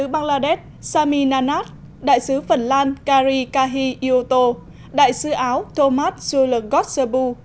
bangladesh sami nanat đại sứ phần lan kari kahi yoto đại sứ áo thomas zulgotsabu